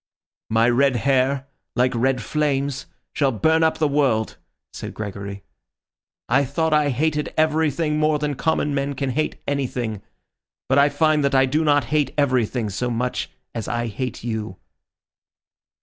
"My red hair, like red flames, shall burn up the world," said Gregory. "I thought I hated everything more than common men can hate anything; but I find that I do not hate everything so much as I hate you!"